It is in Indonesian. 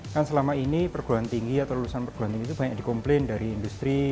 kan selama ini perguruan tinggi atau lulusan perguruan tinggi itu banyak dikomplain dari industri